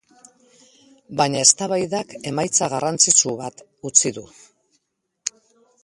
Baina eztabaidak emaitza garrantzitsu bat utzi du.